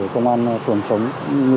công an phường hàng chống